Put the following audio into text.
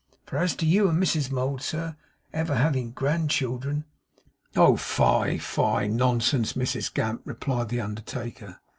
For as to you and Mrs Mould, sir, ever having grandchildren ' 'Oh! Fie, fie! Nonsense, Mrs Gamp,' replied the undertaker.